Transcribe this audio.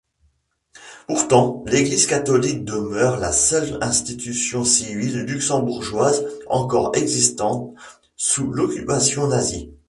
Pourtant l'Église catholique demeure la seule institution civile luxembourgeoise encore existante sous l'occupation nazie.